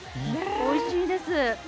おいしいです。